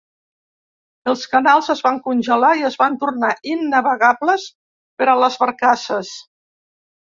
Els canals es van congelar i es van tornar innavegables per a les barcasses.